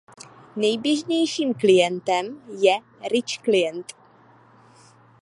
Nejběžnějším klientem je "rich klient".